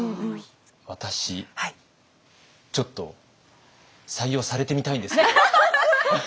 私ちょっと採用されてみたいんですけど。